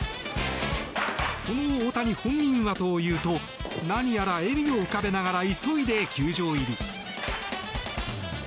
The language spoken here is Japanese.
その大谷本人はというと何やら笑みを浮かべながら急いで球場入り。